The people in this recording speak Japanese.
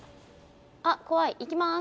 あ怖いいきます！